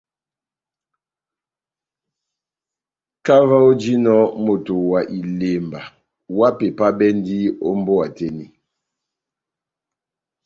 Kahá ová ojinɔ moto wa ilemba, ohápepabɛndi ó mbówa tɛ́h eni.